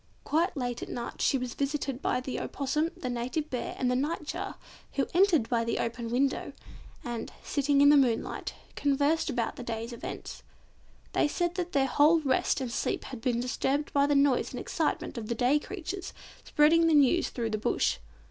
Quite late at night she was visited by the Opossum, the Native Bear, and the Nightjar, who entered by the open window, and, sitting in the moonlight, conversed about the day's events. They said that their whole rest and sleep had been disturbed by the noise and excitement of the day creatures spreading the news through the Bush.